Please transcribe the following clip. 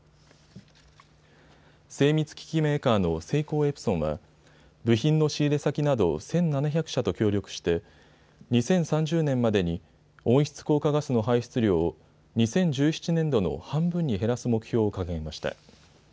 精密機器メーカーのセイコーエプソンは部品の仕入れ先など１７００社と協力して２０３０年までに温室効果ガスの排出量を２０１７年度の半分に減らす目標を掲げました。